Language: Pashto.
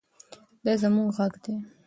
دا زموږ غږ دی.